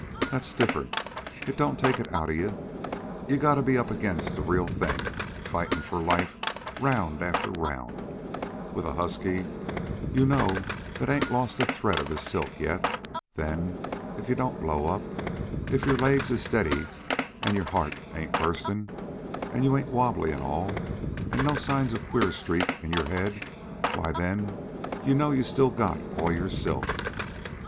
"That's different. It don't take it outa you. You gotta be up against the real thing, fightin' for life, round after round, with a husky you know ain't lost a thread of his silk yet then, if you don't blow up, if your legs is steady, an' your heart ain't burstin', an' you ain't wobbly at all, an' no signs of queer street in your head why, then you know you still got all your silk.